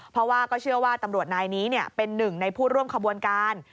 เพราะว่าก็เชื่อว่าตำรวจนายนี้เป็นหนึ่งในผู้ร่วมขบวนการ